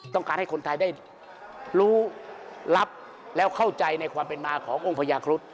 ต้องการให้คนไทยได้รู้รับแล้วเข้าใจในความเป็นมาขององค์พญาครุฑ